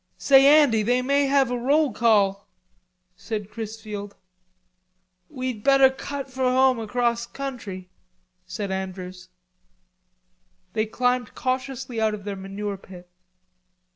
"Say, Andy, they may have a roll call," said Chrisfield. "We'd better cut for home across country," said Andrews. They climbed cautiously out of their manure pit.